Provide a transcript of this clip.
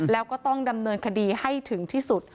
แล้วก็ต้องดำเนินคดีให้ถึงที่สุด